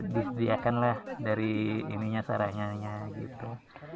disediakan lah dari sarannya gitu